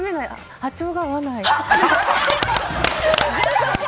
波長が合わない。